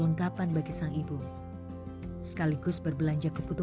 sekarang udah kelas dua smp jadi udah dua tahun lebih gak ganti sepatu